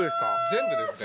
全部ですね。